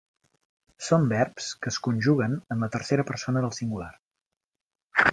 Són verbs que es conjuguen en la tercera persona del singular.